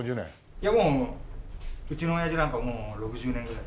いやもううちのおやじなんかもう６０年ぐらい。